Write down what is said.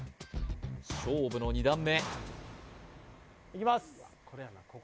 勝負の２段目いきます